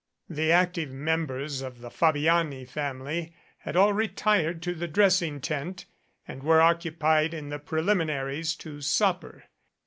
The active members of the Fabiani family had all retired to the dressing tent and were occupied in the pre liminaries to supper.